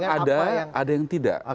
ada yang ada ada yang tidak